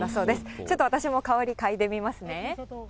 ちょっと私も香り、嗅いでみますね。